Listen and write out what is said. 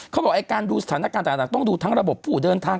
เขาบอกไอ้การดูสถานการณ์ต่างต้องดูทั้งระบบผู้เดินทาง